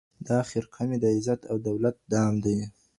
دا خرقه مي د عزت او دولت دام دی.